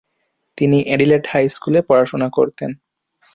তিনি Adelaide high স্কুলে পড়াশোনা করতেন।